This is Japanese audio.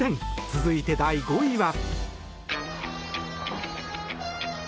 続いて、第５位は。